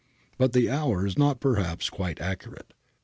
But the hour is not perhaps quite accurate.